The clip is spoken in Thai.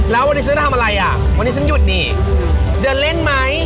แล้ววันนี้ฉันจะทำอะไรอ่ะวันนี้ฉันหยุดนี่เดินเล่นไหม